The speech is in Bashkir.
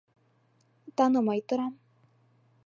Танымай торам.